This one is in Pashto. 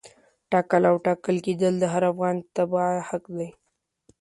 ټاکل او ټاکل کېدل د هر افغان تبعه حق دی.